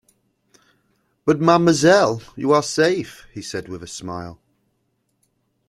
"But, mademoiselle, you are safe," he said, with a smile.